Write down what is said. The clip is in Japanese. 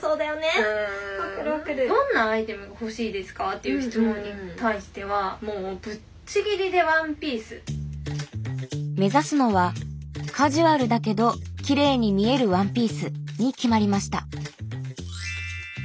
という質問に対してはもう目指すのは「カジュアルだけどきれいに見えるワンピース」に決まりました。